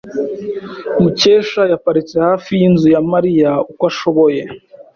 Mukesha yaparitse hafi yinzu ya Mariya uko ashoboye.